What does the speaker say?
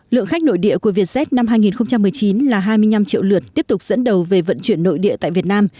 lượng khách nội địa của vietjet năm hai nghìn một mươi chín là hai mươi năm triệu lượt tiếp tục dẫn đầu về vận chuyển nội địa tại việt nam